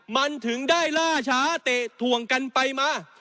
มันถึงได้ล่าช้าเตะถ่วงกันไปมา